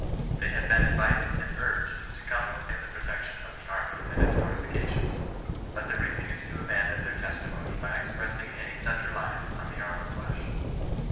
They had been invited and urged to come within the protection of the army and its fortifications. But they refused to abandon their testimony by express ing any such reliance on the arm of flesh.